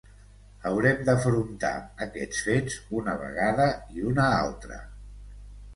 Haurem d’afrontar aquests fets una vegada i una altra.